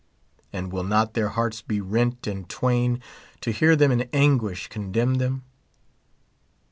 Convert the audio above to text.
and will not their hearts be rent in twain to hear them in anguish condemn them